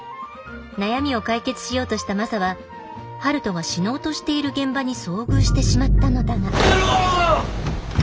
悩みを解決しようとしたマサは陽斗が死のうとしている現場に遭遇してしまったのだがやめろ！